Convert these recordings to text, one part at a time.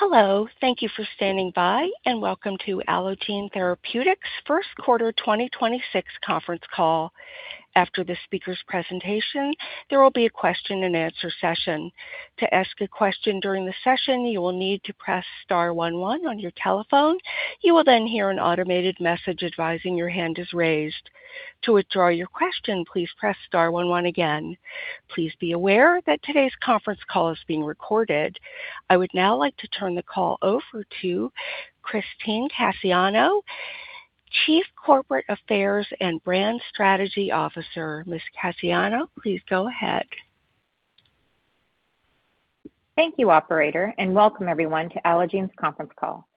Hello. Thank you for standing by, and welcome to Allogene Therapeutics first quarter 2026 conference call. After the speaker's presentation, there will be a question-and-answer session. To ask a question during the session, you will need to press star one one on your telephone. You will hear an automated message advising your hand is raised. To withdraw your question, please press star one one again. Please be aware that today's conference call is being recorded. I would now like to turn the call over to Christine Cassiano, Chief Corporate Affairs and Brand Strategy Officer. Ms. Cassiano, please go ahead. Thank you, operator, and welcome everyone to Allogene's conference call.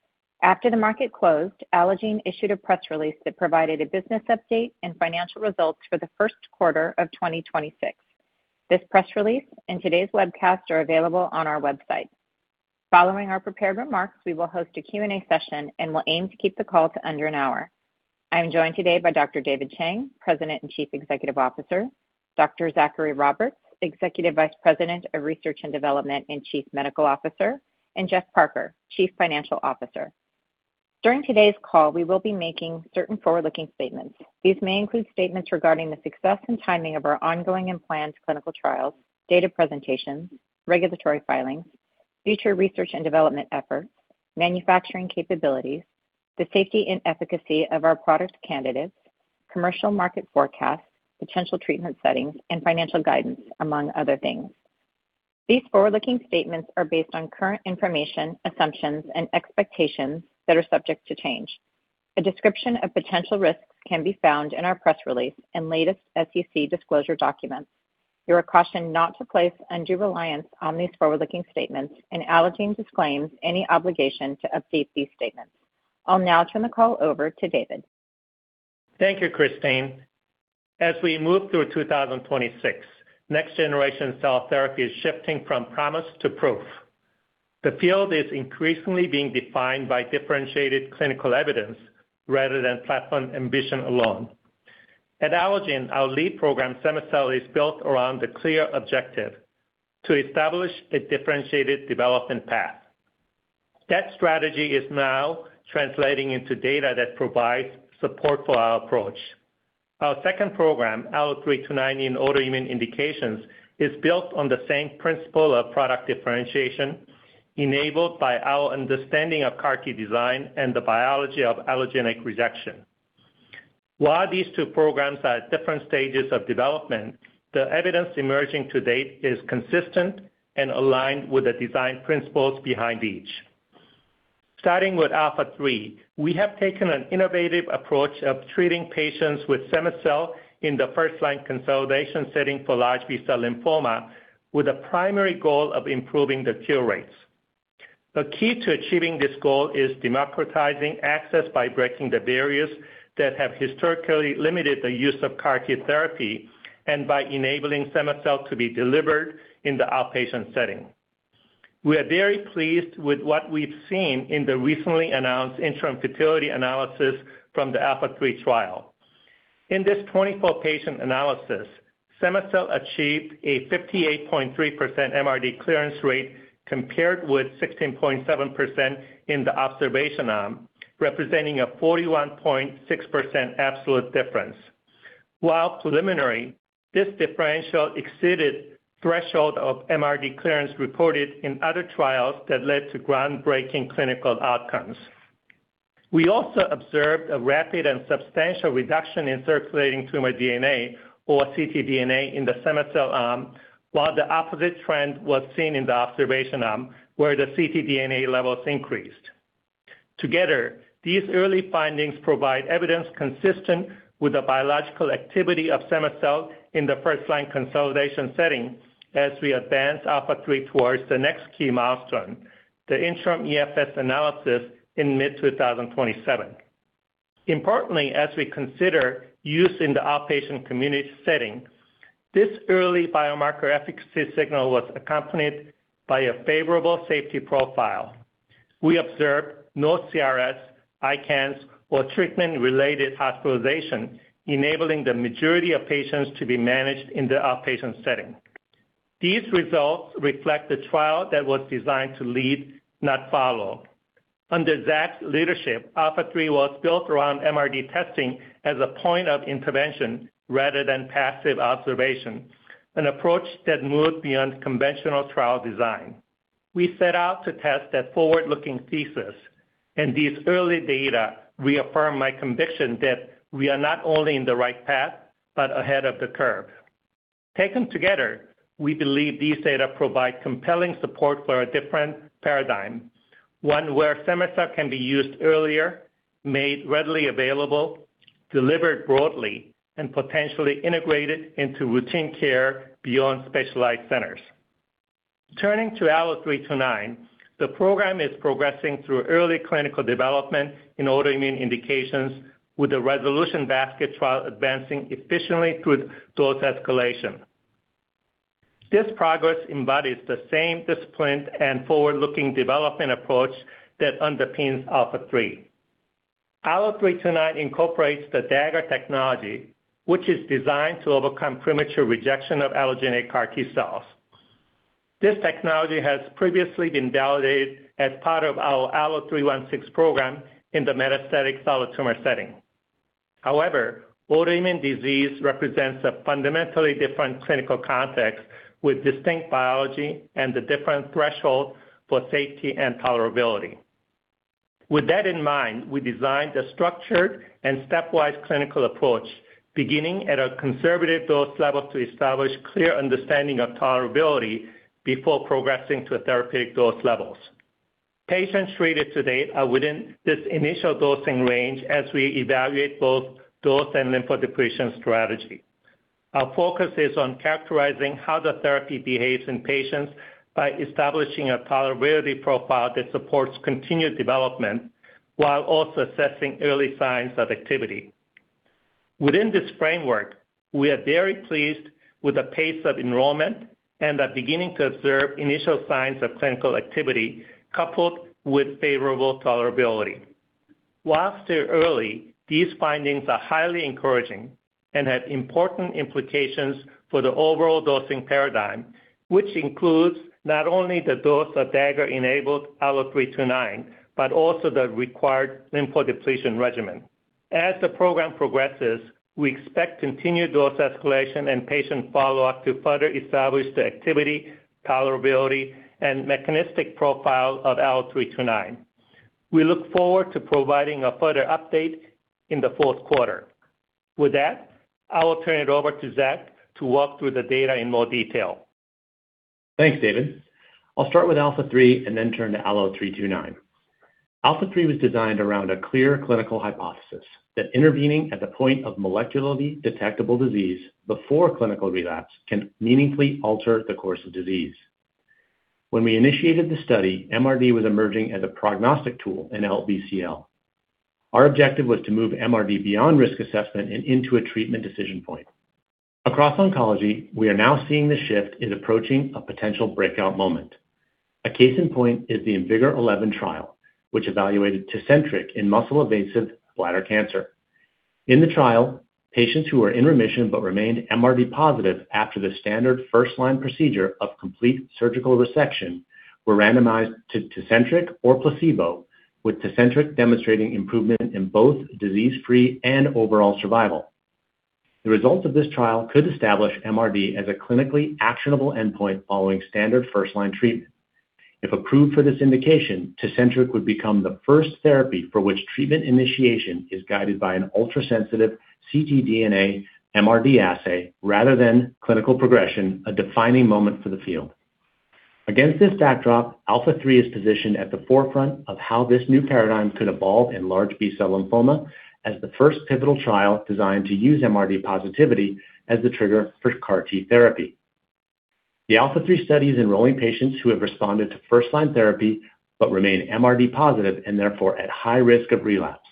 After the market closed, Allogene issued a press release that provided a business update and financial results for the first quarter of 2026. This press release and today's webcast are available on our website. Following our prepared remarks, we will host a Q&A session and will aim to keep the call to under an hour. I'm joined today by Dr. David Chang, President and Chief Executive Officer; Dr. Zachary Roberts, Executive Vice President of Research and Development and Chief Medical Officer; and Geoff Parker, Chief Financial Officer. During today's call, we will be making certain forward-looking statements. These may include statements regarding the success and timing of our ongoing and planned clinical trials, data presentations, regulatory filings, future research and development efforts, manufacturing capabilities, the safety and efficacy of our product candidates, commercial market forecasts, potential treatment settings, and financial guidance, among other things. These forward-looking statements are based on current information, assumptions, and expectations that are subject to change. A description of potential risks can be found in our press release and latest SEC disclosure documents. You are cautioned not to place undue reliance on these forward-looking statements, and Allogene disclaims any obligation to update these statements. I'll now turn the call over to David. Thank you, Christine. As we move through 2026, next generation cell therapy is shifting from promise to proof. The field is increasingly being defined by differentiated clinical evidence rather than platform ambition alone. At Allogene, our lead program, cema-cel, is built around the clear objective to establish a differentiated development path. That strategy is now translating into data that provides support for our approach. Our second program, ALLO-329 in autoimmune indications, is built on the same principle of product differentiation enabled by our understanding of CAR T design and the biology of allogeneic rejection. While these two programs are at different stages of development, the evidence emerging to date is consistent and aligned with the design principles behind each. Starting with ALPHA3, we have taken an innovative approach of treating patients with cema-cel in the first-line consolidation setting for large B cell lymphoma with a primary goal of improving the cure rates. The key to achieving this goal is democratizing access by breaking the barriers that have historically limited the use of CAR T therapy and by enabling cema-cel to be delivered in the outpatient setting. We are very pleased with what we've seen in the recently announced interim futility analysis from the ALPHA3 trial. In this 24 patient analysis, cema-cel achieved a 58.3% MRD clearance rate compared with 16.7% in the observation arm, representing a 41.6% absolute difference. While preliminary, this differential exceeded threshold of MRD clearance reported in other trials that led to groundbreaking clinical outcomes. We also observed a rapid and substantial reduction in circulating tumor DNA or ctDNA in the cema-cel arm, while the opposite trend was seen in the observation arm, where the ctDNA levels increased. Together, these early findings provide evidence consistent with the biological activity of cema-cel in the first-line consolidation setting as we advance ALPHA3 towards the next key milestone, the interim EFS analysis in mid-2027. Importantly, as we consider use in the outpatient community setting, this early biomarker efficacy signal was accompanied by a favorable safety profile. We observed no CRS, ICANS, or treatment-related hospitalization, enabling the majority of patients to be managed in the outpatient setting. These results reflect the trial that was designed to lead, not follow. Under Zach's leadership, ALPHA3 was built around MRD testing as a point of intervention rather than passive observation, an approach that moved beyond conventional trial design. We set out to test that forward-looking thesis, and these early data reaffirm my conviction that we are not only in the right path but ahead of the curve. Taken together, we believe these data provide compelling support for a different paradigm. One where cema-cel can be used earlier, made readily available, delivered broadly, and potentially integrated into routine care beyond specialized centers. Turning to ALLO-329, the program is progressing through early clinical development in autoimmune indications with the RESOLUTION basket trial advancing efficiently through dose escalation. This progress embodies the same discipline and forward-looking development approach that underpins ALPHA3. ALLO-329 incorporates the Dagger technology, which is designed to overcome premature rejection of allogeneic CAR T cells. This technology has previously been validated as part of our ALLO-316 program in the metastatic solid tumor setting. However, autoimmune disease represents a fundamentally different clinical context with distinct biology and a different threshold for safety and tolerability. With that in mind, we designed a structured and stepwise clinical approach, beginning at a conservative dose level to establish clear understanding of tolerability before progressing to therapeutic dose levels. Patients treated to date are within this initial dosing range as we evaluate both dose and lymphodepletion strategy. Our focus is on characterizing how the therapy behaves in patients by establishing a tolerability profile that supports continued development while also assessing early signs of activity. Within this framework, we are very pleased with the pace of enrollment and are beginning to observe initial signs of clinical activity coupled with favorable tolerability. While still early, these findings are highly encouraging and have important implications for the overall dosing paradigm, which includes not only the dose of Dagger-enabled ALLO-329, but also the required lymphodepletion regimen. As the program progresses, we expect continued dose escalation and patient follow-up to further establish the activity, tolerability, and mechanistic profile of ALLO-329. We look forward to providing a further update in the fourth quarter. With that, I will turn it over to Zach to walk through the data in more detail. Thanks, David. I'll start with ALPHA3 and then turn to ALLO-329. ALPHA3 was designed around a clear clinical hypothesis that intervening at the point of molecularly detectable disease before clinical relapse can meaningfully alter the course of disease. When we initiated the study, MRD was emerging as a prognostic tool in LBCL. Our objective was to move MRD beyond risk assessment and into a treatment decision point. Across oncology, we are now seeing the shift in approaching a potential breakout moment. A case in point is the IMvigor011 trial, which evaluated TECENTRIQ in muscle-invasive bladder cancer. In the trial, patients who were in remission but remained MRD positive after the standard first-line procedure of complete surgical resection were randomized to TECENTRIQ or placebo, with TECENTRIQ demonstrating improvement in both disease-free and overall survival. The results of this trial could establish MRD as a clinically actionable endpoint following standard first-line treatment. If approved for this indication, TECENTRIQ would become the first therapy for which treatment initiation is guided by an ultrasensitive ctDNA MRD assay rather than clinical progression, a defining moment for the field. Against this backdrop, ALPHA3 is positioned at the forefront of how this new paradigm could evolve in large B cell lymphoma as the first pivotal trial designed to use MRD positivity as the trigger for CAR T therapy. The ALPHA3 study is enrolling patients who have responded to first-line therapy but remain MRD positive and therefore at high risk of relapse.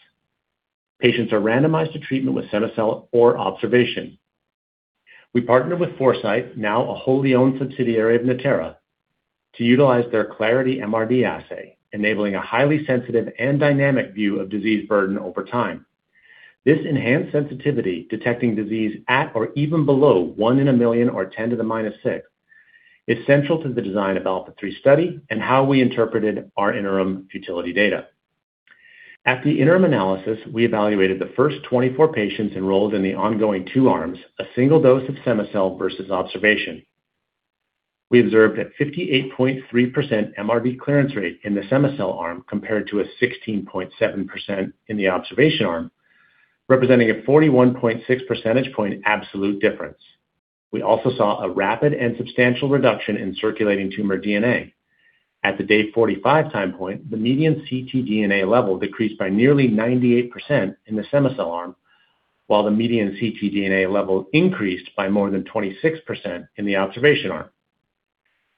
Patients are randomized to treatment with cema-cel or observation. We partnered with Foresight, now a wholly owned subsidiary of Natera, to utilize their CLARITY MRD assay, enabling a highly sensitive and dynamic view of disease burden over time. This enhanced sensitivity, detecting disease at or even below one in 1 million or 10 to the minus 6, is central to the design of ALPHA3 study and how we interpreted our interim futility data. At the interim analysis, we evaluated the first 24 patients enrolled in the ongoing two arms, a single dose of cema-cel versus observation. We observed a 58.3% MRD clearance rate in the cema-cel arm compared to a 16.7% in the observation arm, representing a 41.6 percentage point absolute difference. We also saw a rapid and substantial reduction in circulating tumor DNA. At the day 45 time point, the median ctDNA level decreased by nearly 98% in the cema-cel arm, while the median ctDNA level increased by more than 26% in the observation arm.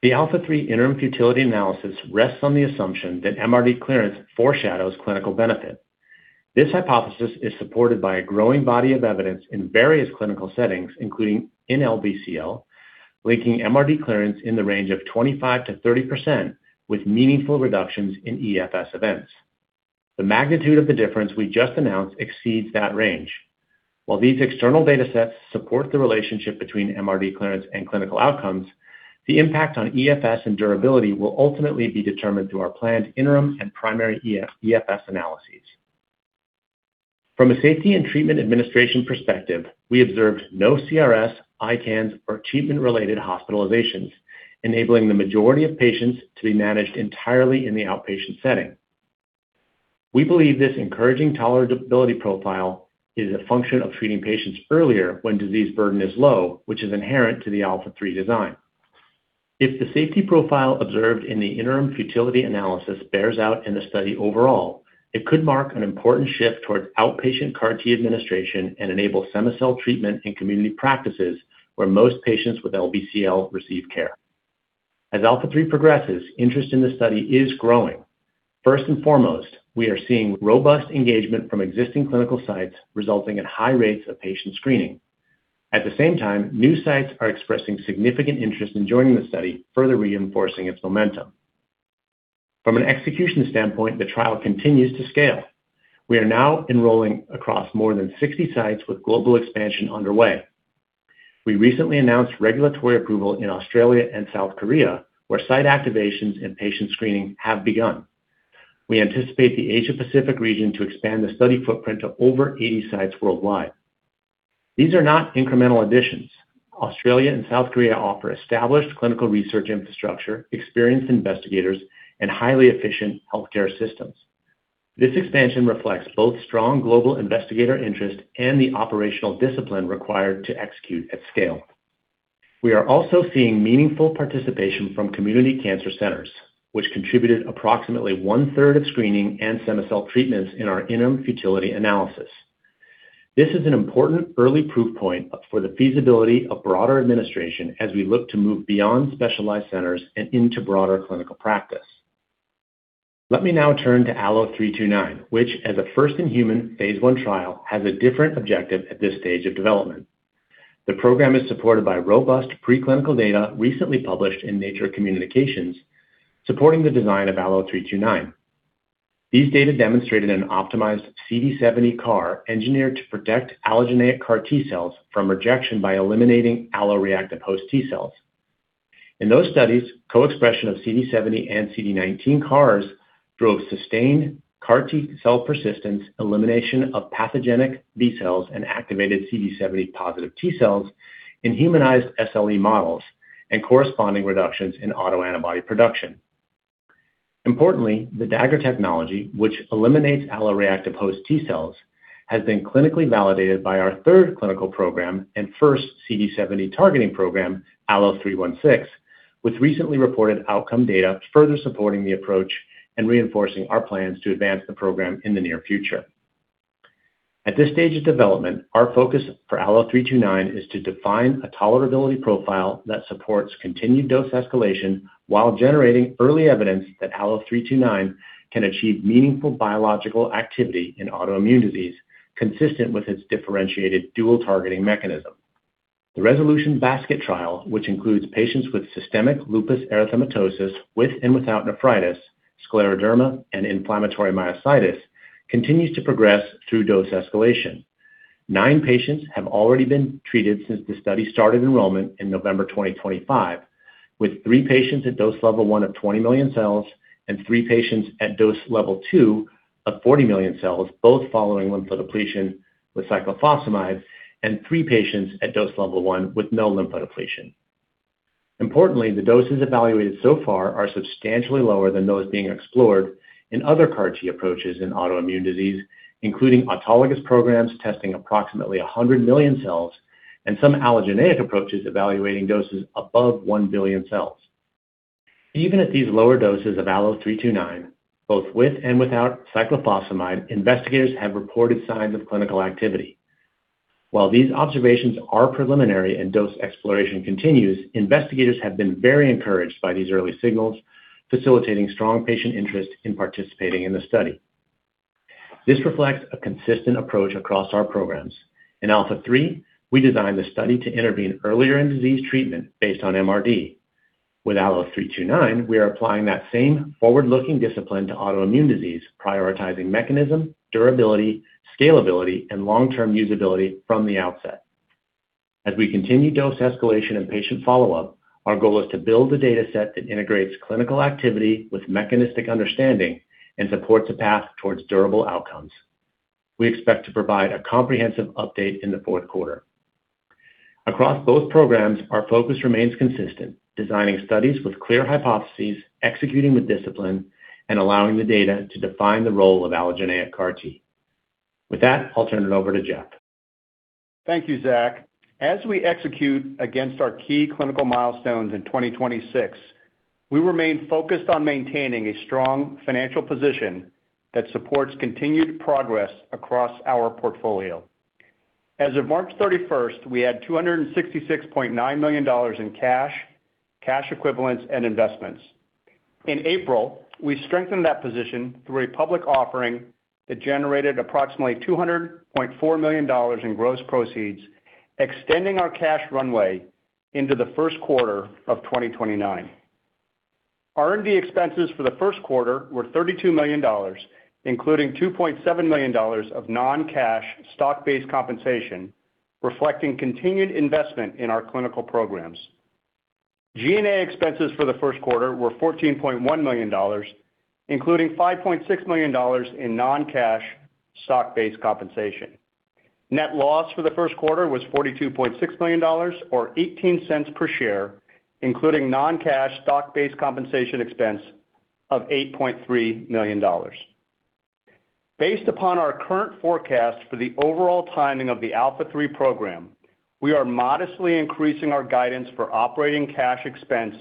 The ALPHA3 interim futility analysis rests on the assumption that MRD clearance foreshadows clinical benefit. This hypothesis is supported by a growing body of evidence in various clinical settings, including in LBCL, linking MRD clearance in the range of 25%-30% with meaningful reductions in EFS events. The magnitude of the difference we just announced exceeds that range. While these external data sets support the relationship between MRD clearance and clinical outcomes, the impact on EFS and durability will ultimately be determined through our planned interim and primary EFS analyses. From a safety and treatment administration perspective, we observed no CRS, ICANS, or treatment-related hospitalizations, enabling the majority of patients to be managed entirely in the outpatient setting. We believe this encouraging tolerability profile is a function of treating patients earlier when disease burden is low, which is inherent to the ALPHA3 design. If the safety profile observed in the interim futility analysis bears out in the study overall, it could mark an important shift towards outpatient CAR T administration and enable cema-cel treatment in community practices where most patients with LBCL receive care. As ALPHA3 progresses, interest in the study is growing. First and foremost, we are seeing robust engagement from existing clinical sites resulting in high rates of patient screening. At the same time, new sites are expressing significant interest in joining the study, further reinforcing its momentum. From an execution standpoint, the trial continues to scale. We are now enrolling across more than 60 sites with global expansion underway. We recently announced regulatory approval in Australia and South Korea, where site activations and patient screening have begun. We anticipate the Asia-Pacific region to expand the study footprint to over 80 sites worldwide. These are not incremental additions. Australia and South Korea offer established clinical research infrastructure, experienced investigators, and highly efficient healthcare systems. This expansion reflects both strong global investigator interest and the operational discipline required to execute at scale. We are also seeing meaningful participation from community cancer centers, which contributed approximately one-third of screening and cema-cel treatments in our interim futility analysis. This is an important early proof point up for the feasibility of broader administration as we look to move beyond specialized centers and into broader clinical practice. Let me now turn to ALLO-329, which as a first-in-human phase I trial, has a different objective at this stage of development. The program is supported by robust preclinical data recently published in Nature Communications, supporting the design of ALLO-329. These data demonstrated an optimized CD70 CAR engineered to protect allogeneic CAR T cells from rejection by eliminating alloreactive host T cells. In those studies, co-expression of CD70 and CD19 CARs drove sustained CAR T cell persistence, elimination of pathogenic B cells, and activated CD70-positive T cells in humanized SLE models and corresponding reductions in autoantibody production. Importantly, the Dagger technology, which eliminates alloreactive host T cells, has been clinically validated by our third clinical program and first CD70 targeting program, ALLO-316, with recently reported outcome data further supporting the approach and reinforcing our plans to advance the program in the near future. At this stage of development, our focus for ALLO-329 is to define a tolerability profile that supports continued dose escalation while generating early evidence that ALLO-329 can achieve meaningful biological activity in autoimmune disease consistent with its differentiated dual targeting mechanism. The RESOLUTION Basket trial, which includes patients with systemic lupus erythematosus with and without nephritis, scleroderma, and inflammatory myositis, continues to progress through dose escalation. Nine patients have already been treated since the study started enrollment in November 2025, with three patients at dose level 1 of 20 million cells and three patients at dose level 2 of 40 million cells, both following lymphodepletion with cyclophosphamide, and three patients at dose level 1 with no lymphodepletion. Importantly, the doses evaluated so far are substantially lower than those being explored in other CAR T approaches in autoimmune disease, including autologous programs testing approximately 100 million cells and some allogeneic approaches evaluating doses above 1 billion cells. Even at these lower doses of ALLO-329, both with and without cyclophosphamide, investigators have reported signs of clinical activity. While these observations are preliminary and dose exploration continues, investigators have been very encouraged by these early signals, facilitating strong patient interest in participating in the study. This reflects a consistent approach across our programs. In ALPHA3, we designed the study to intervene earlier in disease treatment based on MRD. With ALLO-329, we are applying that same forward-looking discipline to autoimmune disease, prioritizing mechanism, durability, scalability, and long-term usability from the outset. As we continue dose escalation and patient follow-up, our goal is to build a data set that integrates clinical activity with mechanistic understanding and supports a path towards durable outcomes. We expect to provide a comprehensive update in the 4th quarter. Across both programs, our focus remains consistent, designing studies with clear hypotheses, executing with discipline, and allowing the data to define the role of allogeneic CAR T. With that, I'll turn it over to Geoff. Thank you, Zach. As we execute against our key clinical milestones in 2026, we remain focused on maintaining a strong financial position that supports continued progress across our portfolio. As of March 31st, we had $266.9 million in cash equivalents, and investments. In April, we strengthened that position through a public offering that generated approximately $200.4 million in gross proceeds, extending our cash runway into the first quarter of 2029. R&D expenses for the first quarter were $32 million, including $2.7 million of non-cash stock-based compensation, reflecting continued investment in our clinical programs. G&A expenses for the first quarter were $14.1 million, including $5.6 million in non-cash stock-based compensation. Net loss for the first quarter was $42.6 million or $0.18 per share, including non-cash stock-based compensation expense of $8.3 million. Based upon our current forecast for the overall timing of the ALPHA3 program, we are modestly increasing our guidance for operating cash expense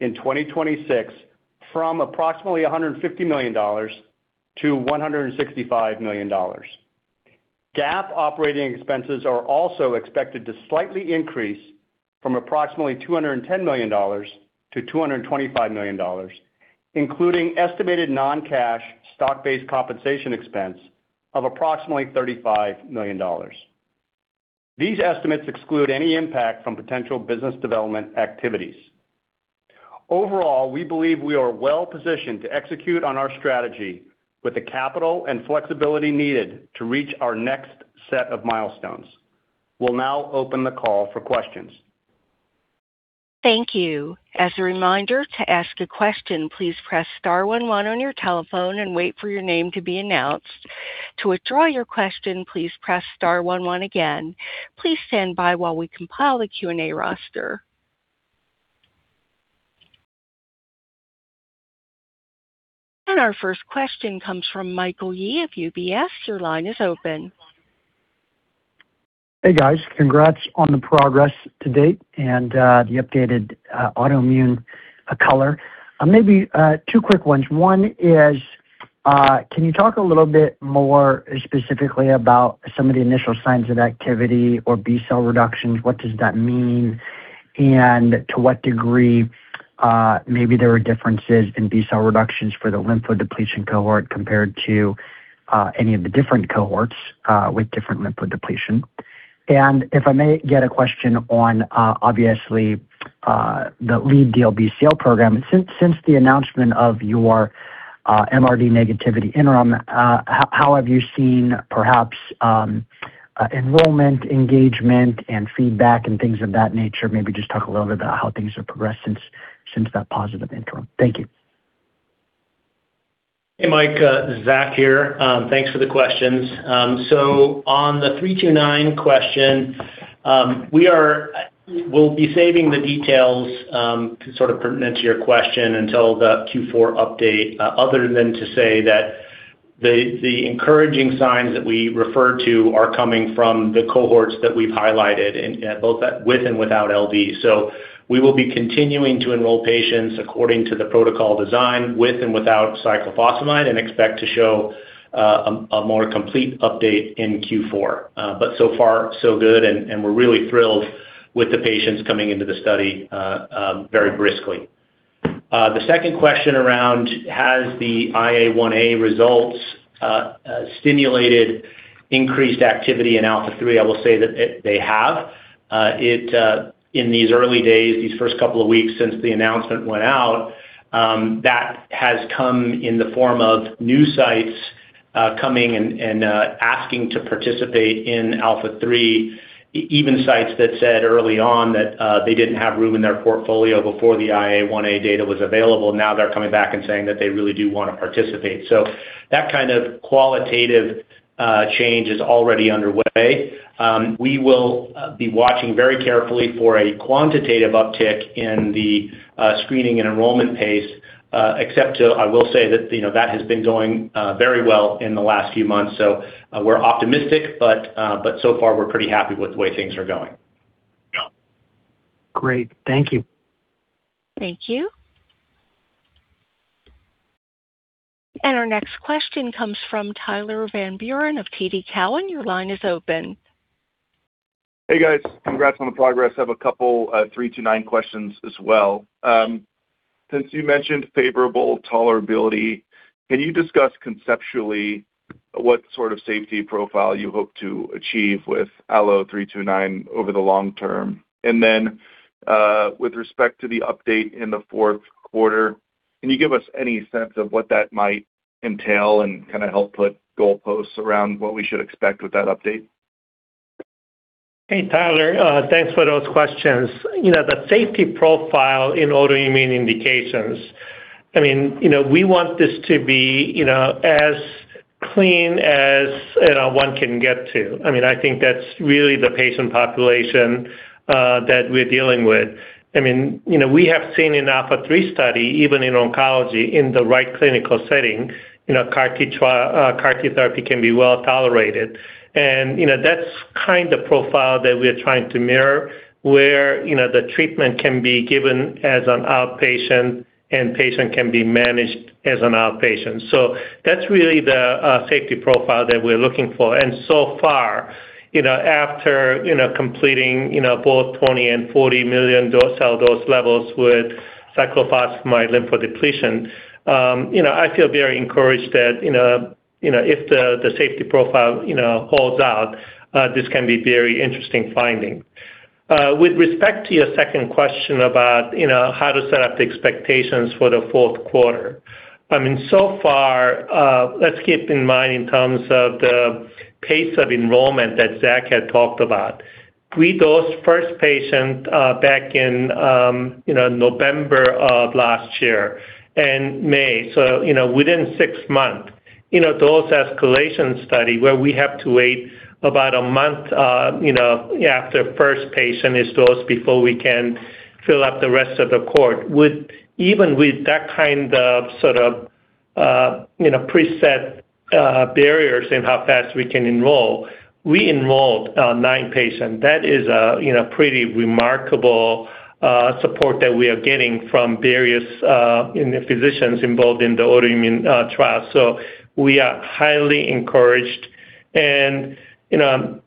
in 2026 from approximately $150 million-$165 million. GAAP operating expenses are also expected to slightly increase. From approximately $210 million-$225 million, including estimated non-cash stock-based compensation expense of approximately $35 million. These estimates exclude any impact from potential business development activities. Overall, we believe we are well-positioned to execute on our strategy with the capital and flexibility needed to reach our next set of milestones. We'll now open the call for questions. Thank you. As a reminder, to ask a question, please press star one one on your telephone and wait for your name to be announced. To withdraw your question, please press star one one again. Please stand by while we compile a Q&A roster. Our first question comes from Michael Yee of UBS. Your line is open. Hey, guys. Congrats on the progress to date and the updated autoimmune update. Maybe two quick ones. One is, can you talk a little bit more specifically about some of the initial signs of activity or B cell reductions? What does that mean? To what degree, maybe there are differences in B cell reductions for the lymphodepletion cohort compared to any of the different cohorts with different lymphodepletion. If I may get a question on, obviously, the lead DLBCL program. Since the announcement of your MRD negativity interim, how have you seen perhaps enrollment, engagement and feedback and things of that nature? Maybe just talk a little bit about how things have progressed since that positive interim. Thank you. Hey, Mike, Zach here. Thanks for the questions. On the ALLO-329 question, we'll be saving the details pertinent to your question until the Q4 update, other than to say that the encouraging signs that we refer to are coming from the cohorts that we've highlighted in, both with and without LD. We will be continuing to enroll patients according to the protocol design with and without cyclophosphamide and expect to show a more complete update in Q4. So far so good, and we're really thrilled with the patients coming into the study very briskly. The second question around has the Phase 1a results stimulated increased activity in ALPHA3? I will say that they have. It in these early days, these first couple of weeks since the announcement went out, that has come in the form of new sites coming and asking to participate in ALPHA3. Even sites that said early on that they didn't have room in their portfolio before the Phase 1a data was available. They're coming back and saying that they really do wanna participate. That kind of qualitative change is already underway. We will be watching very carefully for a quantitative uptick in the screening and enrollment pace. Except, I will say that, you know, that has been going very well in the last few months. We're optimistic. So far we're pretty happy with the way things are going. Great. Thank you. Thank you. Our next question comes from Tyler Van Buren of TD Cowen. Your line is open. Hey, guys. Congrats on the progress. I have a couple, ALLO-329 questions as well. Since you mentioned favorable tolerability, can you discuss conceptually what sort of safety profile you hope to achieve with ALLO-329 over the long term? With respect to the update in the fourth quarter, can you give us any sense of what that might entail and kind of help put goalposts around what we should expect with that update? Hey, Tyler, thanks for those questions. You know, the safety profile in autoimmune indications, I mean, you know, we want this to be, you know, as clean as, you know, one can get to. I mean, I think that's really the patient population that we're dealing with. I mean, you know, we have seen in ALPHA3 study, even in oncology, in the right clinical setting, you know, CAR T therapy can be well-tolerated. You know, that's kind of profile that we're trying to mirror, where, you know, the treatment can be given as an outpatient and patient can be managed as an outpatient. That's really the safety profile that we're looking for. So far, you know, after, you know, completing, you know, both 20 and 40 million cell dose levels with cyclophosphamide lymphodepletion, you know, I feel very encouraged that, you know, if the, if the safety profile, you know, holds out, this can be very interesting finding. With respect to your second question about, you know, how to set up the expectations for the fourth quarter. I mean, so far, let's keep in mind in terms of the pace of enrollment that Zach had talked about. We dosed first patient, back in, you know, November of last year and May, so, you know, within six months. You know, dose escalation study where we have to wait about 1 month, you know, after first patient is dosed before we can fill up the rest of the cohort. Even with that kind of, sort of, you know, preset barriers in how fast we can enroll, we enrolled nine patients. That is a, you know, pretty remarkable support that we are getting from various, you know, physicians involved in the autoimmune trial. We are highly encouraged. You know,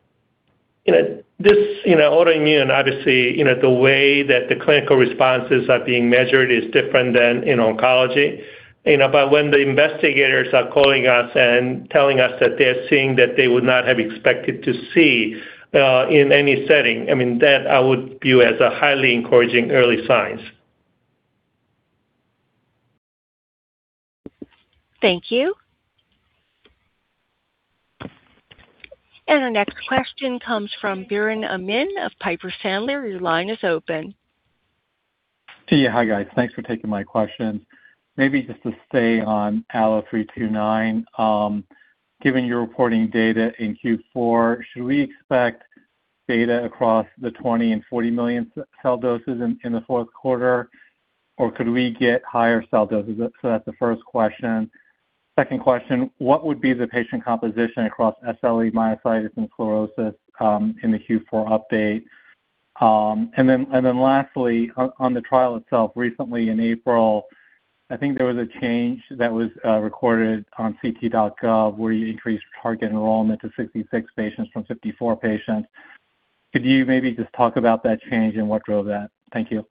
this, you know, autoimmune, obviously, you know, the way that the clinical responses are being measured is different than in oncology. When the investigators are calling us and telling us that they're seeing that they would not have expected to see, in any setting, I mean, that I would view as a highly encouraging early signs. Thank you. Our next question comes from Biren Amin of Piper Sandler. Your line is open. Yeah. Hi, guys. Thanks for taking my questions. Maybe just to stay on ALLO-329. Given your reporting data in Q4, should we expect data across the 20 and 40 million cell doses in the fourth quarter, or could we get higher cell doses? That's the first question. Second question, what would be the patient composition across SLE, inflammatory myositis, and scleroderma in the Q4 update? Lastly, on the trial itself, recently in April, I think there was a change that was recorded on ClinicalTrials.gov where you increased target enrollment to 66 patients from 54 patients. Could you maybe just talk about that change and what drove that? Thank you.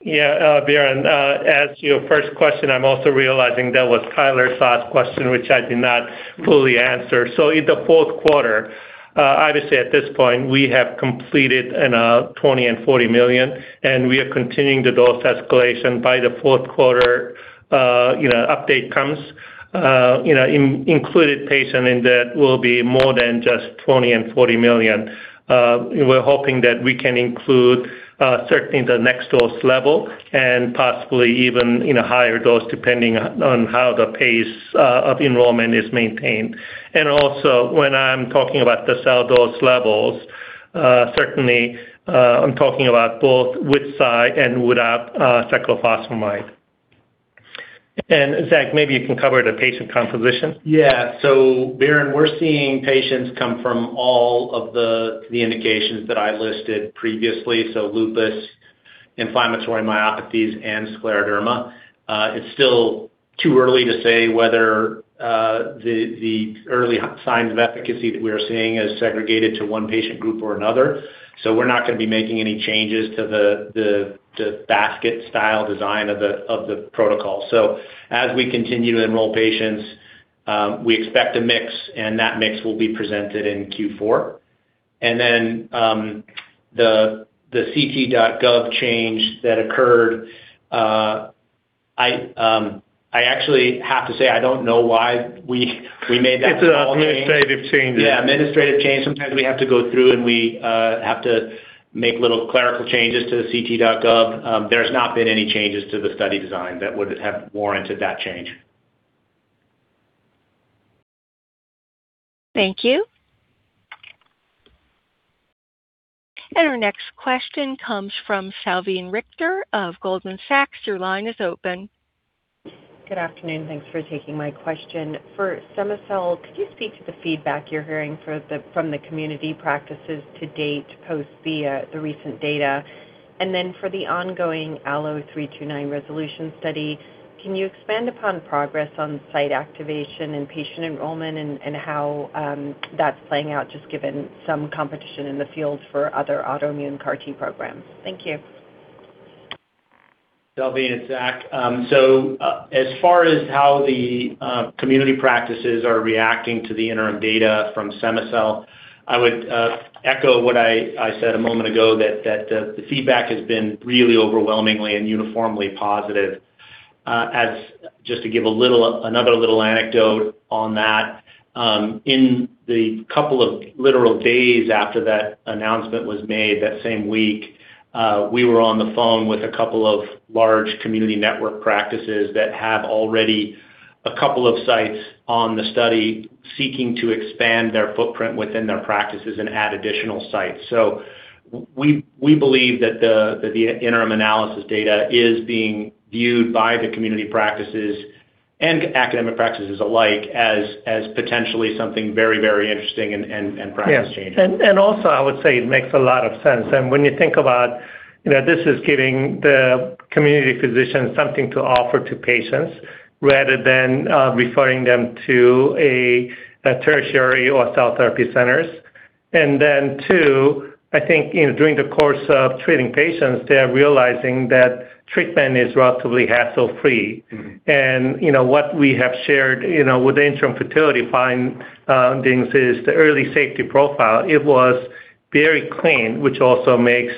Yeah, Biren, as to your first question, I'm also realizing that was Tyler Van Buren's question, which I did not fully answer. In the fourth quarter, obviously, at this point, we have completed in 20 million and 40 million, and we are continuing the dose escalation by the fourth quarter, you know, update comes, you know, included patient in that will be more than just 20 million and 40 million. We're hoping that we can include, certainly the next dose level and possibly even, you know, higher dose, depending on how the pace of enrollment is maintained. When I'm talking about the cell dose levels, certainly, I'm talking about both with Cy and without cyclophosphamide. Zach, maybe you can cover the patient composition. Yeah. Biren, we're seeing patients come from all of the indications that I listed previously, lupus, inflammatory myositis, and scleroderma. It's still too early to say whether the early signs of efficacy that we're seeing is segregated to 1 patient group or another. We're not gonna be making any changes to the basket style design of the protocol. As we continue to enroll patients, we expect a mix, and that mix will be presented in Q4. The ClinicalTrials.gov change that occurred, I actually have to say, I don't know why we made that. It's a administrative change. Administrative change. Sometimes we have to go through, and we have to make little clerical changes to ClinicalTrials.gov. There's not been any changes to the study design that would have warranted that change. Thank you. Our next question comes from Salveen Richter of Goldman Sachs. Your line is open. Good afternoon. Thanks for taking my question. For cema-cel, could you speak to the feedback you're hearing from the community practices to date, post the recent data? For the ongoing ALLO-329 RESOLUTION study, can you expand upon progress on site activation and patient enrollment and how that's playing out, just given some competition in the field for other autoimmune CAR T programs? Thank you. Salveen, it's Zach. As far as how the community practices are reacting to the interim data from cema-cel, I would echo what I said a moment ago that the feedback has been really overwhelmingly and uniformly positive. As just to give another little anecdote on that, in the couple of literal days after that announcement was made that same week, we were on the phone with a couple of large community network practices that have already a couple of sites on the study seeking to expand their footprint within their practices and add additional sites. We believe that the interim analysis data is being viewed by the community practices and academic practices alike as potentially something very interesting and practice-changing. Yeah. Also, I would say it makes a lot of sense. When you think about, you know, this is giving the community physician something to offer to patients rather than referring them to a tertiary or cell therapy centers. Two, I think, you know, during the course of treating patients, they are realizing that treatment is relatively hassle-free. You know, what we have shared, you know, with the interim futility findings is the early safety profile. It was very clean, which also makes,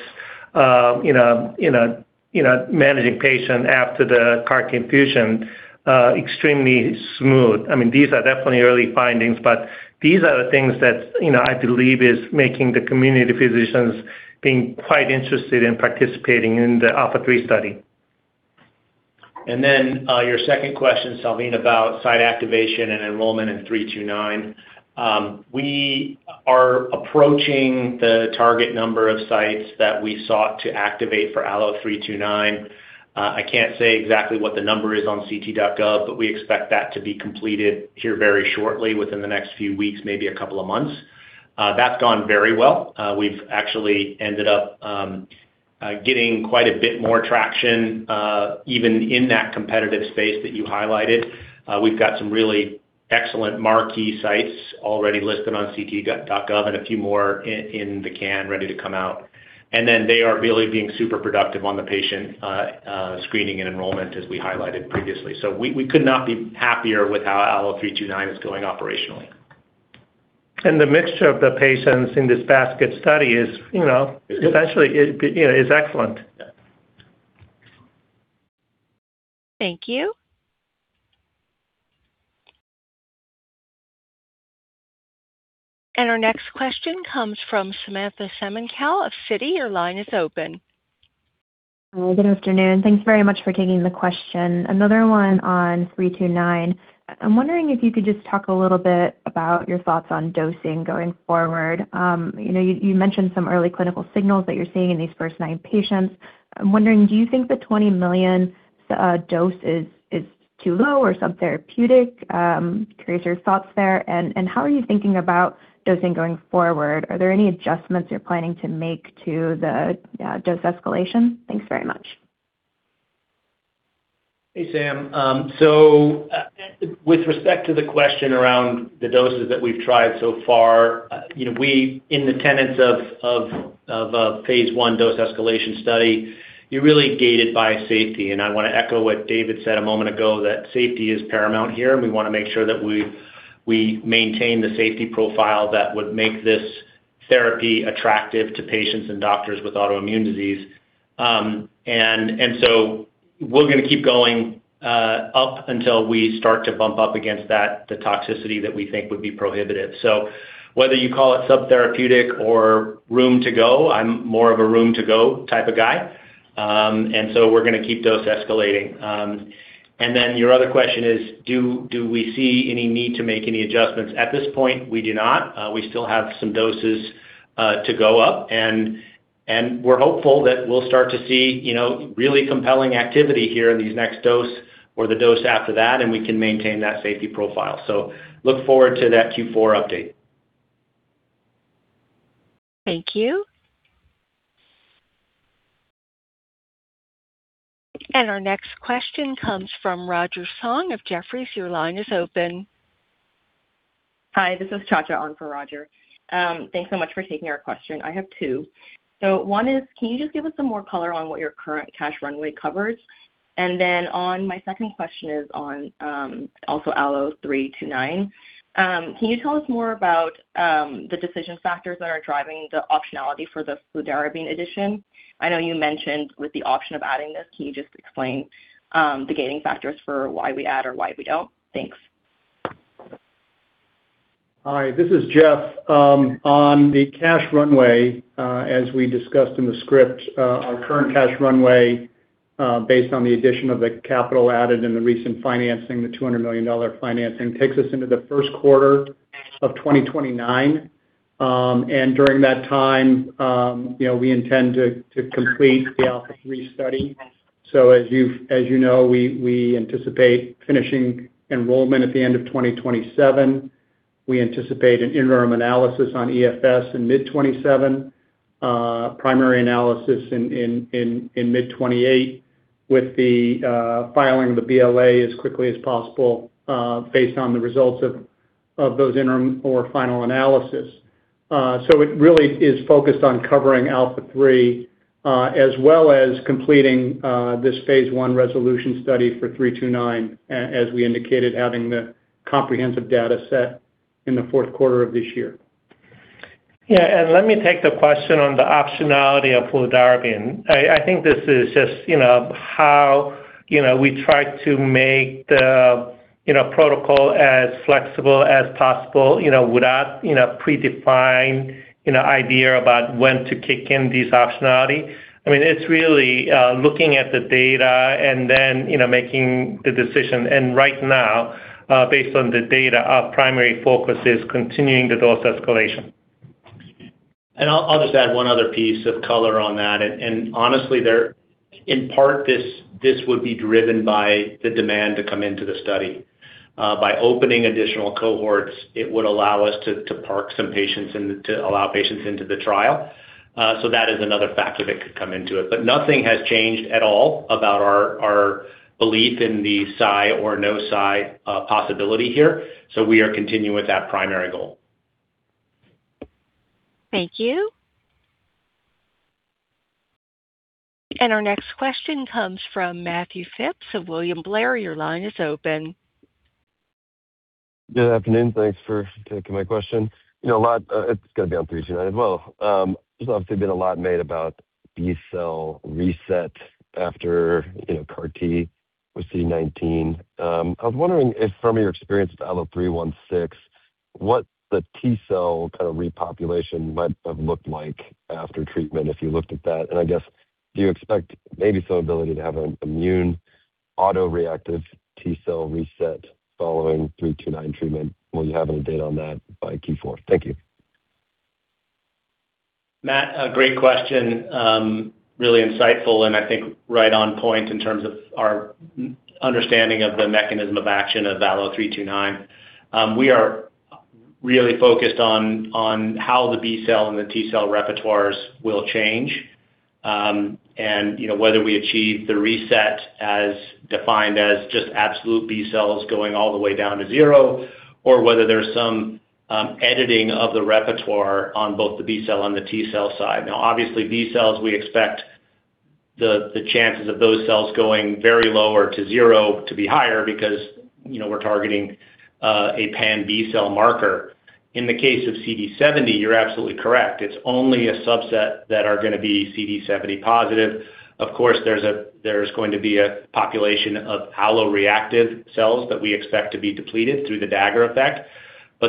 you know, managing patient after the CAR T infusion extremely smooth. I mean, these are definitely early findings, but these are the things that, you know, I believe is making the community physicians being quite interested in participating in the ALPHA3 study. Your second question, Salveen, about site activation and enrollment in 329. We are approaching the target number of sites that we sought to activate for ALLO-329. I can't say exactly what the number is on CT.gov, but we expect that to be completed here very shortly within the next few weeks, maybe a couple of months. That's gone very well. We've actually ended up getting quite a bit more traction even in that competitive space that you highlighted. We've got some really excellent marquee sites already listed on ClinicalTrials.gov and a few more in the can ready to come out. They are really being super productive on the patient screening and enrollment as we highlighted previously. We could not be happier with how ALLO-329 is going operationally. The mixture of the patients in this basket study is, you know essentially it, you know, is excellent. Yeah. Thank you. Our next question comes from Samantha Semenkow of Citigroup. Your line is open. Hi, good afternoon. Thank you very much for taking the question. Another one on ALLO-329. I'm wondering if you could just talk a little bit about your thoughts on dosing going forward. You know, you mentioned some early clinical signals that you're seeing in these first nine patients. I'm wondering, do you think the 20 million dose is too low or subtherapeutic? Curious your thoughts there. How are you thinking about dosing going forward? Are there any adjustments you're planning to make to the dose escalation? Thanks very much. Hey, Sam. So, with respect to the question around the doses that we've tried so far, you know, we in the tenets of a phase I dose escalation study, you're really gated by safety. I wanna echo what David said a moment ago, that safety is paramount here, and we wanna make sure that we maintain the safety profile that would make this therapy attractive to patients and doctors with autoimmune disease. We're gonna keep going up until we start to bump up against that, the toxicity that we think would be prohibitive. So whether you call it subtherapeutic or room to go, I'm more of a room to go type of guy. We're gonna keep dose escalating. Then your other question is, do we see any need to make any adjustments? At this point, we do not. We still have some doses to go up, and we're hopeful that we'll start to see, you know, really compelling activity here in these next dose or the dose after that, and we can maintain that safety profile. Look forward to that Q4 update. Thank you. Our next question comes from Roger Song of Jefferies. Your line is open. Hi, this is Cha Cha on for Roger. Thanks so much for taking our question. I have two. One is, can you just give us some more color on what your current cash runway covers? On my second question is on ALLO-329. Can you tell us more about the decision factors that are driving the optionality for the fludarabine addition? I know you mentioned with the option of adding this. Can you just explain the gating factors for why we add or why we don't? Thanks. Hi, this is Geoff. On the cash runway, as we discussed in the script, our current cash runway, based on the addition of the capital added in the recent financing, the $200 million financing, takes us into the first quarter of 2029. During that time, you know, we intend to complete the ALPHA3 study. As you know, we anticipate finishing enrollment at the end of 2027. We anticipate an interim analysis on EFS in mid 2027, primary analysis in mid 2028 with the filing of the BLA as quickly as possible, based on the results of those interim or final analysis. It really is focused on covering ALPHA3, as well as completing this phase I RESOLUTION study for ALLO-329, as we indicated, having the comprehensive data set in the fourth quarter of this year. Yeah. Let me take the question on the optionality of fludarabine. I think this is just, you know, how, you know, we try to make the, you know, protocol as flexible as possible, you know, without, you know, predefined, you know, idea about when to kick in these optionality. I mean, it's really looking at the data and then, you know, making the decision. Right now, based on the data, our primary focus is continuing the dose escalation. I'll just add one other piece of color on that. Honestly, in part, this would be driven by the demand to come into the study. By opening additional cohorts, it would allow us to park some patients and to allow patients into the trial. That is another factor that could come into it. Nothing has changed at all about our belief in the Cy or no Cy possibility here. We are continuing with that primary goal. Thank you. Our next question comes from Matthew Phipps of William Blair. Your line is open. Good afternoon. Thanks for taking my question. You know it's going to be on ALLO-329 as well. There's obviously been a lot made about B cell reset after, you know, CAR T with CD19. I was wondering if from your experience with ALLO-316, what the T cell kind of repopulation might have looked like after treatment, if you looked at that. I guess, do you expect maybe some ability to have an immune autoreactive T cell reset following ALLO-329 treatment? Will you have any data on that by Q4? Thank you. Matt, a great question. Really insightful and I think right on point in terms of our understanding of the mechanism of action of ALLO-329. We are really focused on how the B cell and the T cell repertoires will change, and, you know, whether we achieve the reset as defined as just absolute B cells going all the way down to zero, or whether there's some editing of the repertoire on both the B cell and the T cell side. Now, obviously, B cells, we expect the chances of those cells going very low or to zero to be higher because, you know, we're targeting a pan-B cell marker. In the case of CD70, you're absolutely correct. It's only a subset that are gonna be CD70-positive. Of course, there's going to be a population of alloreactive cells that we expect to be depleted through the Dagger effect.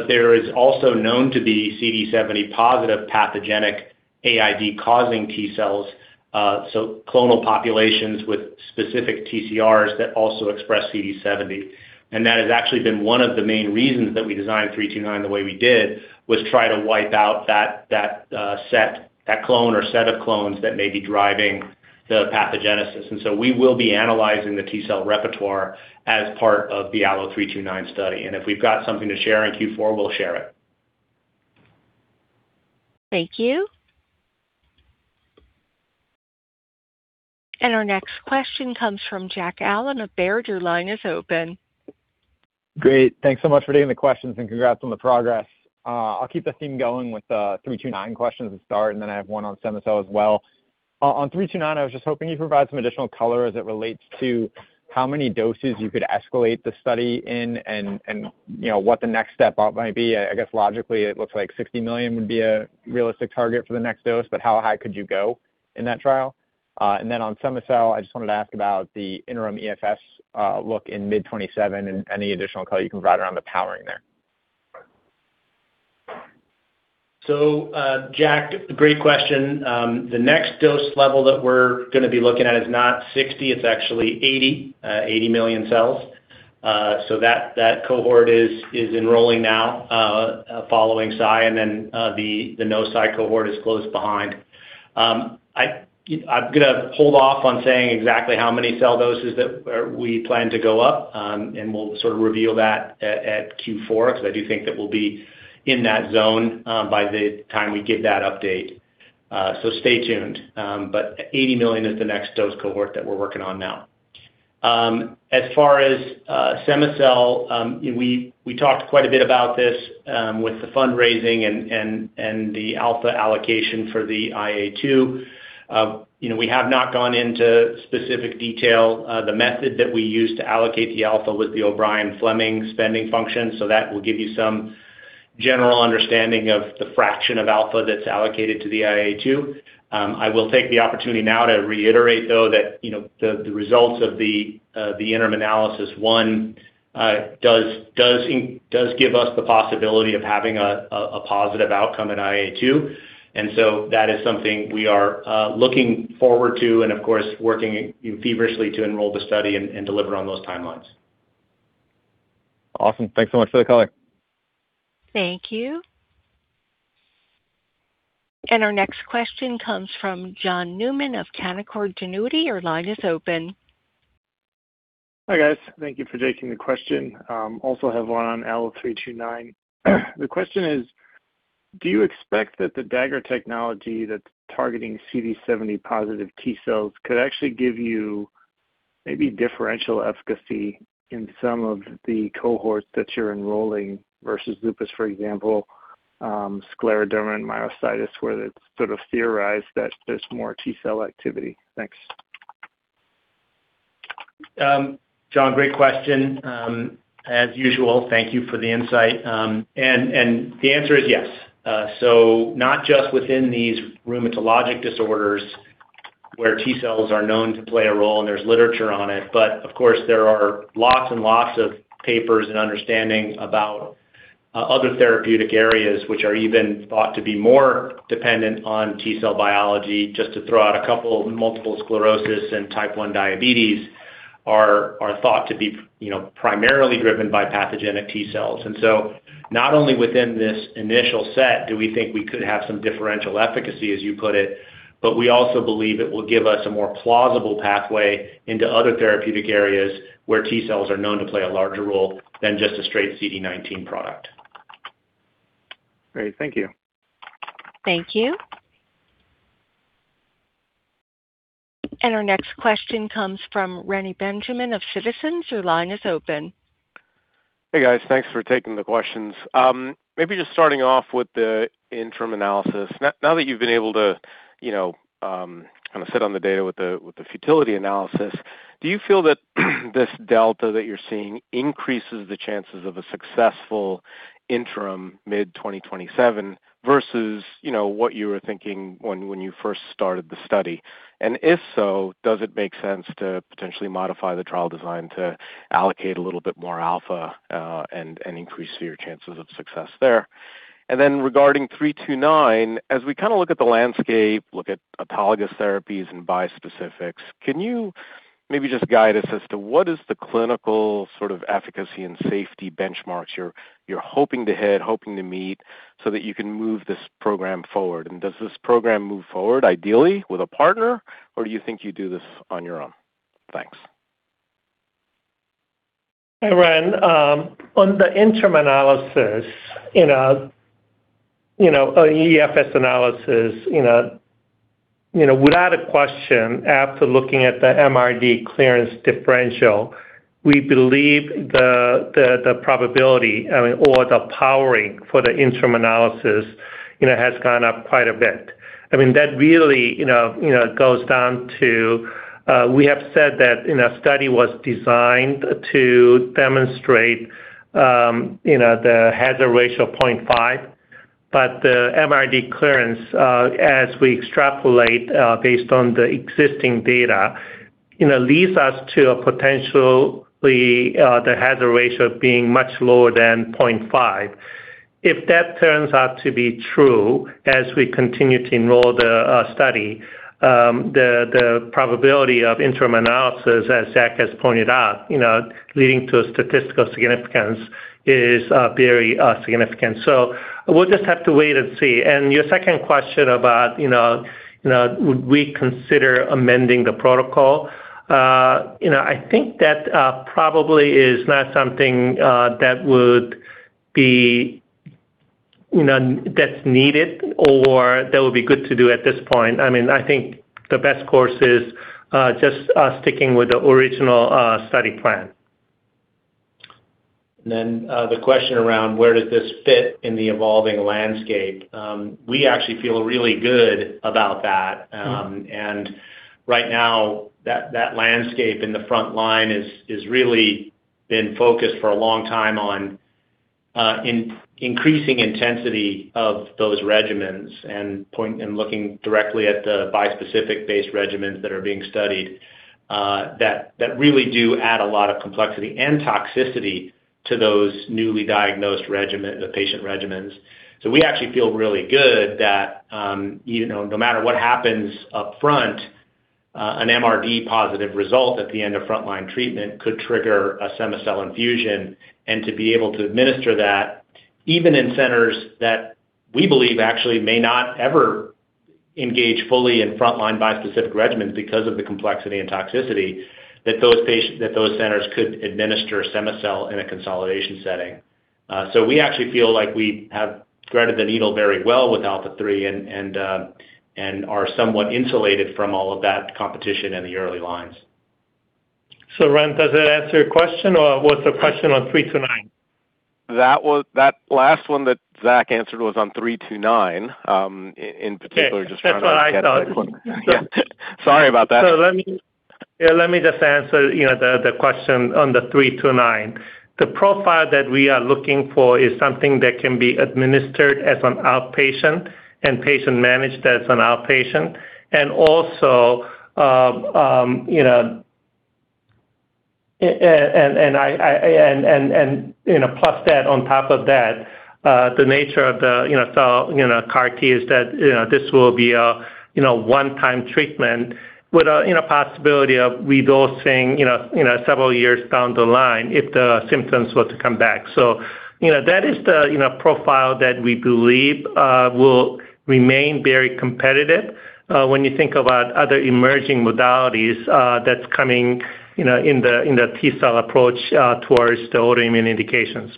There is also known to be CD70 positive pathogenic AID-causing T cells, so clonal populations with specific TCRs that also express CD70. That has actually been one of the main reasons that we designed ALLO-329 the way we did, was try to wipe out that set, that clone or set of clones that may be driving the pathogenesis. We will be analyzing the T cell repertoire as part of the ALLO-329 study. If we've got something to share in Q4, we'll share it. Thank you. Our next question comes from Jack Allen of Baird. Your line is open. Great. Thanks so much for taking the questions, and congrats on the progress. I'll keep the theme going with the ALLO-329 question to start, and then I have one on cema-cel as well. On ALLO-329, I was just hoping you'd provide some additional color as it relates to how many doses you could escalate the study in and, you know, what the next step up might be. I guess logically it looks like 60 million would be a realistic target for the next dose, but how high could you go in that trial? On cema-cel, I just wanted to ask about the interim EFS look in mid-2027 and any additional color you can provide around the powering there. Jack, great question. The next dose level that we're gonna be looking at is not 60, it's actually 80 million cells. That cohort is enrolling now, following Cy, and then the no Cy cohort is close behind. I'm gonna hold off on saying exactly how many cell doses that we plan to go up, and we'll sort of reveal that at Q4 'cause I do think that we'll be in that zone by the time we give that update, so stay tuned. Eighty million is the next dose cohort that we're working on now. As far as cema-cel, we talked quite a bit about this with the fundraising and the ALPHA3 allocation for the [IA2]. You know, we have not gone into specific detail. The method that we used to allocate the alpha was the O'Brien-Fleming spending function, so that will give you some general understanding of the fraction of alpha that's allocated to the phase II. I will take the opportunity now to reiterate, though, that, you know, the results of the interim analysis one does give us the possibility of having a positive outcome in phase II. That is something we are looking forward to and, of course, working feverishly to enroll the study and deliver on those timelines. Awesome. Thanks so much for the color. Thank you. Our next question comes from John Newman of Canaccord Genuity. Your line is open. Hi, guys. Thank you for taking the question. Also have one on ALLO-329. The question is, do you expect that the Dagger technology that's targeting CD70 positive T cells could actually give you maybe differential efficacy in some of the cohorts that you're enrolling versus lupus, for example, scleroderma and myositis, where it's sort of theorized that there's more T cell activity? Thanks. John, great question. As usual, thank you for the insight. The answer is yes. Not just within these rheumatologic disorders where T cells are known to play a role, and there's literature on it, but of course, there are lots and lots of papers and understanding about other therapeutic areas which are even thought to be more dependent on T cell biology. Just to throw out a couple, multiple sclerosis and type 1 diabetes are thought to be, you know, primarily driven by pathogenic T cells. Not only within this initial set do we think we could have some differential efficacy, as you put it, but we also believe it will give us a more plausible pathway into other therapeutic areas where T cells are known to play a larger role than just a straight CD19 product. Great. Thank you. Thank you. Our next question comes from Reni Benjamin of Citizens. Your line is open. Hey, guys. Thanks for taking the questions. Maybe just starting off with the interim analysis. Now that you've been able to, you know, kind of sit on the data with the futility analysis, do you feel that this delta that you're seeing increases the chances of a successful interim mid-2027 versus, you know, what you were thinking when you first started the study? If so, does it make sense to potentially modify the trial design to allocate a little bit more alpha and increase your chances of success there? Then regarding ALLO-329, as we kind of look at the landscape, look at autologous therapies and bispecifics, can you just guide us as to what is the clinical sort of efficacy and safety benchmarks you're hoping to hit, hoping to meet so that you can move this program forward? Does this program move forward ideally with a partner, or do you think you do this on your own? Thanks. Hey, Reni. On the interim analysis, you know, EFS analysis, you know, without a question, after looking at the MRD clearance differential, we believe the probability, I mean, or the powering for the interim analysis, you know, has gone up quite a bit. I mean, that really, you know, goes down to we have said that, you know, study was designed to demonstrate, you know, the hazard ratio of 0.5, but the MRD clearance, as we extrapolate, based on the existing data, you know, leads us to a potentially the hazard ratio being much lower than 0.5. If that turns out to be true as we continue to enroll the study, the probability of interim analysis, as Zach has pointed out, you know, leading to a statistical significance is very significant. We'll just have to wait and see. Your second question about, you know, you know, would we consider amending the protocol. You know, I think that probably is not something that would be, you know, that's needed or that would be good to do at this point. I mean, I think the best course is just us sticking with the original study plan. The question around where does this fit in the evolving landscape? We actually feel really good about that. Right now, that landscape in the front line is really been focused for a long time on increasing intensity of those regimens and looking directly at the bispecific-based regimens that are being studied, that really do add a lot of complexity and toxicity to those newly diagnosed regimen, the patient regimens. We actually feel really good that, you know, no matter what happens upfront, an MRD positive result at the end of frontline treatment could trigger a cema-cel infusion and to be able to administer that, even in centers that we believe actually may not ever engage fully in frontline bispecific regimens because of the complexity and toxicity, that those centers could administer cema-cel in a consolidation setting. We actually feel like we have threaded the needle very well with ALPHA3 and are somewhat insulated from all of that competition in the early lines. Reni, does that answer your question, or was the question on ALLO-329? That last one that Zach answered was on ALLO-329 in particular. Okay. That's what I thought. Just trying to get it clear. Yeah. Sorry about that. Let me, let me just answer, you know, the question on the ALLO-329. The profile that we are looking for is something that can be administered as an outpatient and patient managed as an outpatient. You know, plus that on top of that, the nature of the, you know, cell, you know, CAR T is that, you know, this will be a, you know, one-time treatment with a, you know, possibility of redosing, you know, several years down the line if the symptoms were to come back. You know, that is the, you know, profile that we believe will remain very competitive when you think about other emerging modalities that's coming, you know, in the T cell approach towards the autoimmune indications.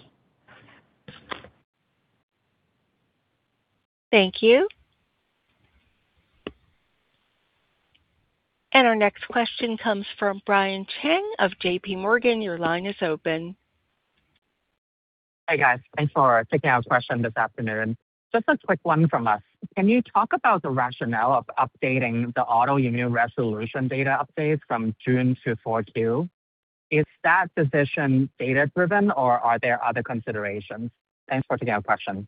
Thank you. Our next question comes from Brian Cheng of JPMorgan. Your line is open. Hi, guys. Thanks for taking our question this afternoon. Just a quick one from us. Can you talk about the rationale of updating the autoimmune RESOLUTION data updates from June to 4Q? Is that decision data-driven or are there other considerations? Thanks for taking our question.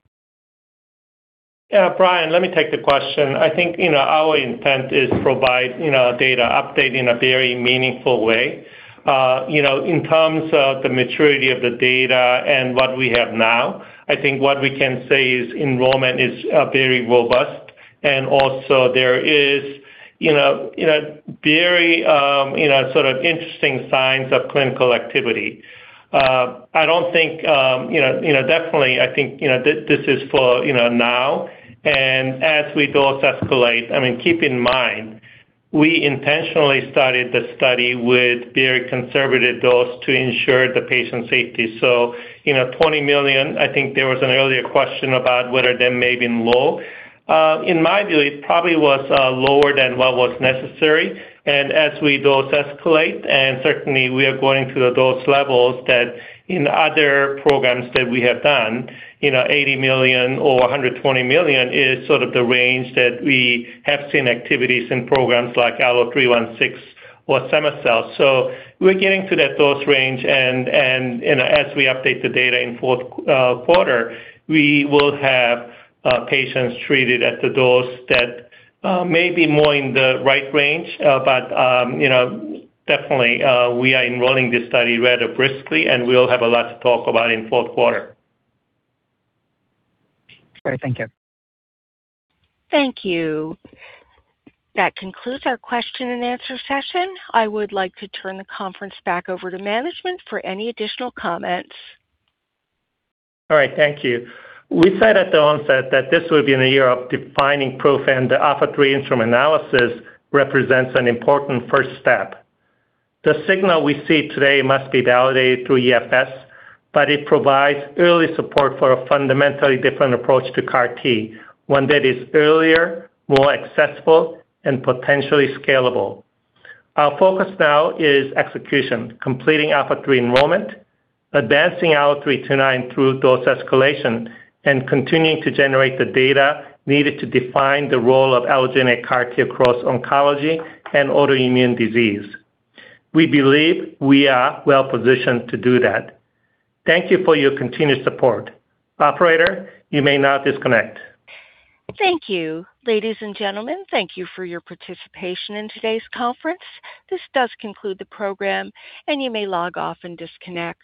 Yeah, Brian, let me take the question. I think our intent is provide data update in a very meaningful way. In terms of the maturity of the data and what we have now, I think what we can say is enrollment is very robust. Also there is, you know, very sort of interesting signs of clinical activity. I don't think, you know, definitely I think this is for now and as we dose escalate, I mean, keep in mind, we intentionally started the study with very conservative dose to ensure the patient safety. 20 million, I think there was an earlier question about whether that may be low. In my view, it probably was lower than what was necessary. As we dose escalate, and certainly we are going to the dose levels that in other programs that we have done, you know, 80 million or 120 million is sort of the range that we have seen activities in programs like ALLO-316 or cema-cel. We're getting to that dose range, and, you know, as we update the data in fourth quarter, we will have patients treated at the dose that may be more in the right range. You know, definitely, we are enrolling this study rather briskly, and we'll have a lot to talk about in fourth quarter. Great. Thank you. Thank you. That concludes our question and answer session. I would like to turn the conference back over to management for any additional comments. All right. Thank you. We said at the onset that this would be in a year of defining proof. The ALPHA3 interim analysis represents an important first step. The signal we see today must be validated through EFS. It provides early support for a fundamentally different approach to CAR T, one that is earlier, more accessible, and potentially scalable. Our focus now is execution, completing ALPHA3 enrollment, advancing ALLO-329 through dose escalation, and continuing to generate the data needed to define the role of allogeneic CAR T across oncology and autoimmune disease. We believe we are well-positioned to do that. Thank you for your continued support. Operator, you may now disconnect. Thank you. Ladies and gentlemen, thank you for your participation in today's conference. This does conclude the program, and you may log off and disconnect.